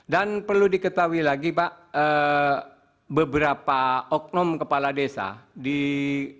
dan perlu diketahui lagi pak beberapa oknum kepala desa di tps